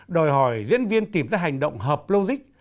đòi hỏi diễn viên tìm ra hành động hợp logic